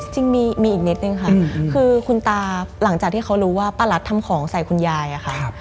จริงมีอีกนิดนึงค่ะคือคุณตาหลังจากที่เขารู้ว่าป้ารัสทำของใส่คุณยายอะค่ะ